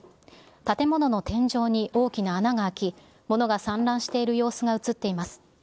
建物の天井に大きな穴が開き、ものが散乱している様子が写っています。